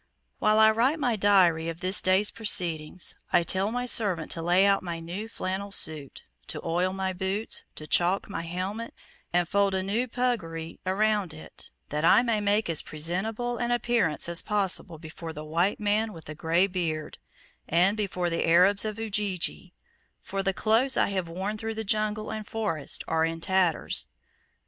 While I write my Diary of this day's proceedings, I tell my servant to lay out my new flannel suit, to oil my boots, to chalk my helmet, and fold a new puggaree around it, that I may make as presentable an appearance as possible before the white man with the grey beard, and before the Arabs of Ujiji; for the clothes I have worn through jungle and forest are in tatters.